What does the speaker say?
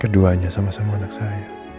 keduanya sama sama anak saya